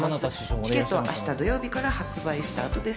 チケットは明日土曜日から発売スタートです。